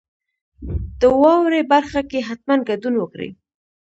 د واورئ برخه کې حتما ګډون وکړئ.